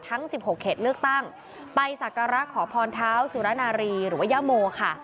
ทั้ง๑๖เขตเลือกตั้งไปสักการะขอพรเท้าสุรนารีหรือว่าย่าโมค่ะ